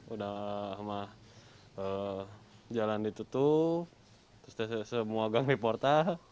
udah jalan ditutup terus semua gang di portal